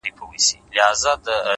زما د زړه د كـور ډېـوې خلگ خبــري كوي ـ